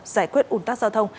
giải quyết un tắc giao thông